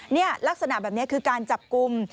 นี่ลักษณะแบบนี้คือการจับกลุ่ม